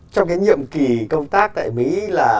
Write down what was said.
trong cái nhiệm kỳ công tác tại mỹ là